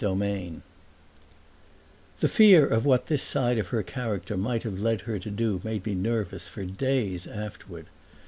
VII The fear of what this side of her character might have led her to do made me nervous for days afterward.